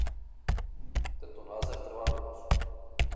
Tento název trvá doposud.